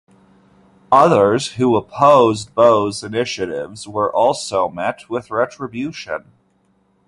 Others who opposed Bo's initiatives were also met with retribution.